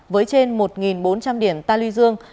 với trên một bốn trăm linh điểm taluy dương